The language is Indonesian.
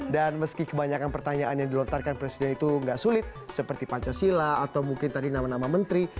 dan meski kebanyakan pertanyaan yang dilontarkan presiden itu tidak sulit seperti pancasila atau mungkin tadi nama nama menteri